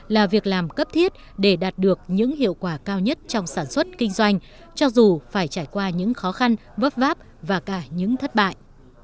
là việc làm cấp thiết để đạt được những hiệu quả cao nhất trong sản xuất kinh doanh cho dù phải trải qua những khó khăn vớt váp và cả những thất bại